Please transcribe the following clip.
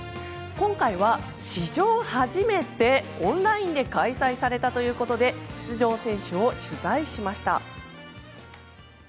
今回は史上初めてオンラインで開催されたということで出場選手を取材しました。